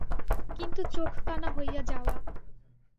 কিন্তু চোখ কানা হইয়া যাওয়া!